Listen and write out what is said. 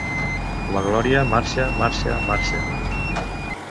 La Gloria marxa, marxa, marxa.